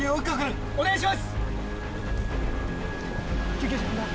救急車呼んだ。